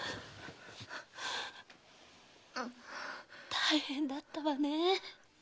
大変だったわねえ。